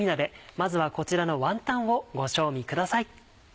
まずはこちらのワンタンをご賞味ください。